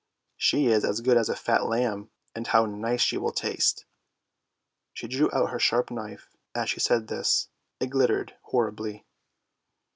" She is as good as a fat lamb, and how nice she will taste! " She drew out her sharp knife as she said this; it glittered horribly.